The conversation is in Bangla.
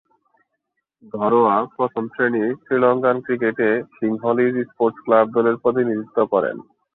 ঘরোয়া প্রথম-শ্রেণীর শ্রীলঙ্কান ক্রিকেটে সিংহলীজ স্পোর্টস ক্লাব দলের প্রতিনিধিত্ব করেন।